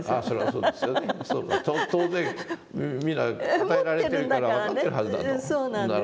当然皆与えられてるから分かってるはずだと。